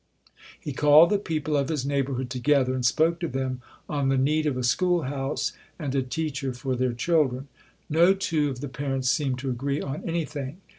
He called the people of his neighborhood together and spoke to them on the need of a schoolhouse and a teacher for their children. No two of the parents seemed to agree on anything.